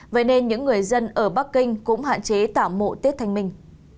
vậy nên những người dân ở bắc kinh cũng hạn chế tả mộ tết thanh minh